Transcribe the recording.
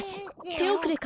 ておくれか？